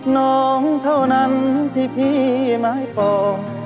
น้องเท่านั้นที่พี่มาให้ปอง